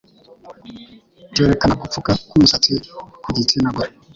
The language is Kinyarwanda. cyerekana gupfuka k'umusatsi ku gitsina gore